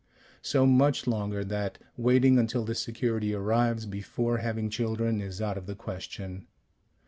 So much longer that waiting until the security arrives before having children is out of the question.